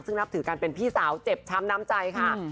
ซึ่งนับถือกันเป็นพี่สาวเจ็บช้ำน้ำใจค่ะ